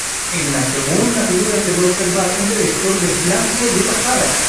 En la segunda figura se puede observar un detector de flanco de bajada.